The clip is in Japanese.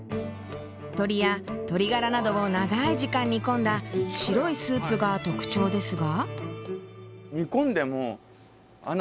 鶏や鶏ガラなどを長い時間煮込んだ白いスープが特徴ですが。